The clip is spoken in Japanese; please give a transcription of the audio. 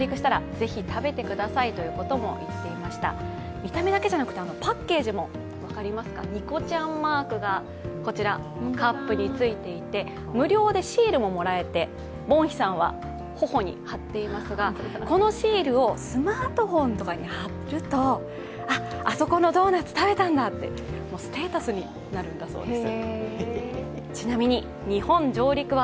見た目だけじゃなくてパッケージもニコちゃんマークがこちら、カップについていて無料でシールももらえて、ボンヒさんは頬に貼っていますが、このシールをスマートフォンとかに貼るとあそこのドーナツ食べたんだ！ってステータスになるんだそうです。